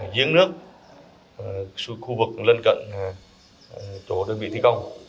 giếng nước khu vực lân cận chỗ đơn vị thi công